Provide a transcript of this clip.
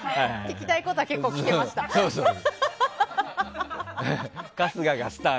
聞きたいことは結構、聞けました。